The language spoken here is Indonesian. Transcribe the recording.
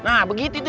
ini yang paling gede